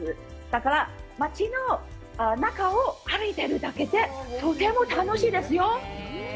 だから、街の中を歩いてるだけでとても楽しいですよ。